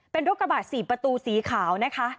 เป็นรถกระบะ๔ประตูสีขาวนะคะ